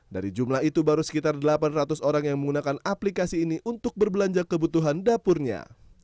dari jumlah itu baru sekitar delapan ratus orang yang menggunakan aplikasi ini untuk berbelanja kebutuhan dapurnya